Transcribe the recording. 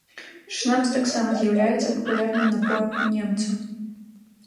Шнапс таксама з'яўляецца папулярным напоем у немцаў.